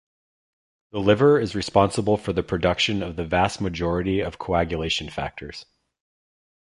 The liver is responsible for the production of the vast majority of coagulation factors.